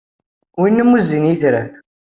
Wina iwumi zzin itran.